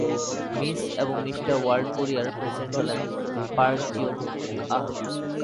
Miss এবং mister world কোরিয়ার president হলেন পার্ক জিওং-আহ।